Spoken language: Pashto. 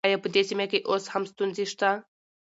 آيا په دې سيمه کې اوس هم ستونزې شته؟